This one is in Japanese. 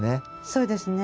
そうですね。